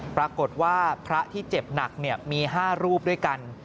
ปรากฏว่าพระที่เจ็บหนักมี๕รูปด้วยกัน